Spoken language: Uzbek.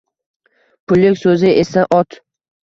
Pullik soʻzi esa ot